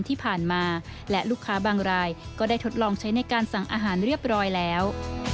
ที่ผ่านมาและลูกค้าบางรายก็ได้ทดลองใช้ในการสั่งอาหารเรียบร้อยแล้ว